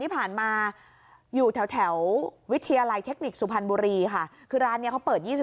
ที่ผ่านมาอยู่แถววิทยาลัยเทคนิคสุพรรณบุรีค่ะคือร้านนี้เขาเปิด๒๕